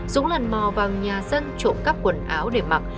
dũng lần mò vào nhà dân trộm cắp quần áo để mặc